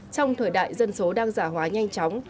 trong thời đại dân số đang giả hóa nhanh chóng